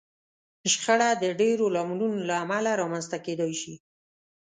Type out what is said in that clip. شخړه د ډېرو لاملونو له امله رامنځته کېدای شي.